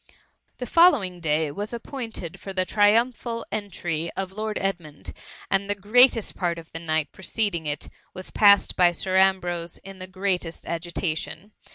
•* The following day was appointed for the triumphal entry of Lord Edmund, and the greatest part of the night preceding it, was passed by Sir Ambrose in the greatest agita* tion.